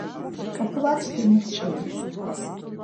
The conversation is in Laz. K̆ap̌ulaçkimi çvi.